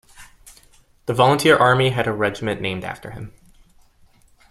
The Volunteer Army had a regiment named after him.